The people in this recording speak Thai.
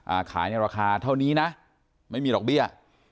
ขายในราคาเท่านี้นะไม่มีดอกเบี้ย